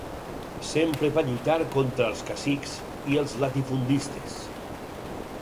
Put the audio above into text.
Sempre va lluitar contra els cacics i els latifundistes.